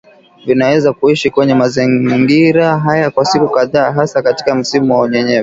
vinaweza kuishi kwenye mazingira haya kwa siku kadhaa hasa katika msimu wa unyevunyevu